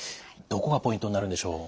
どこがポイントになるんでしょう？